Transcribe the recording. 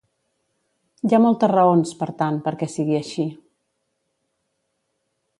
Hi ha moltes raons, per tant, perquè sigui així.